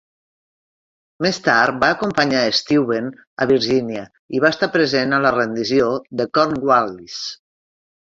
Més tard va acompanyar Steuben a Virgínia, i va estar present a la rendició de Cornwallis.